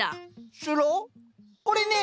これね！